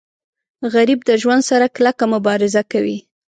غریب د ژوند سره کلکه مبارزه کوي